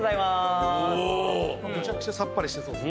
めちゃくちゃさっぱりしてそう。